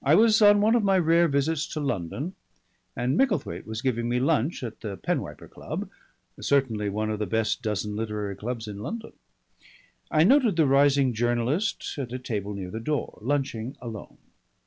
I was on one of my rare visits to London, and Micklethwaite was giving me lunch at the Penwiper Club, certainly one of the best dozen literary clubs in London. I noted the rising young journalist at a table near the door, lunching alone.